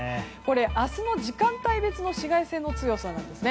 明日の時間帯別の紫外線の強さなんですね。